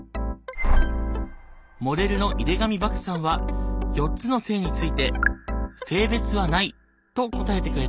モデルの井手上漠さんは４つの性について性別は無いと答えてくれたよ。